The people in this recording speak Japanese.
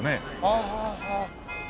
ああはあはあ。